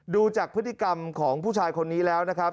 ดูจากพฤติกรรมของผู้ชายคนนี้แล้วนะครับ